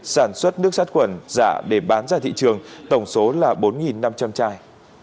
sản xuất nước sắt quần giả để bán ra thị trường tổng số là bốn năm trăm linh chai